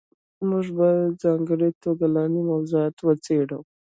موږ به په ځانګړې توګه لاندې موضوعات وڅېړو.